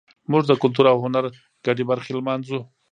موږ د کلتور او هنر ګډې برخې لمانځو.